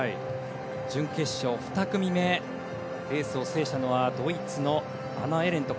準決勝２組目レースを制したのはドイツのアナ・エレント。